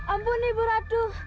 ampun ibu raja